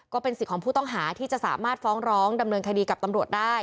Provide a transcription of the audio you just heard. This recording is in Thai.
ก็เป็นสิทธิ์ของผู้ต้องหาที่จะสามารถฟ้องร้องดำเนินคดีกับตำรวจได้